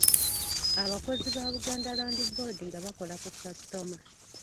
Abakozi ba Buganda Land Board nga bakola ku kasitoma.